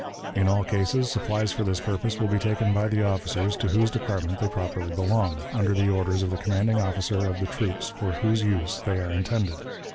In all cases supplies for this purpose will be taken by the officers to whose department they properly belong, under the orders of the commanding officer of the troops for whose use they are intended.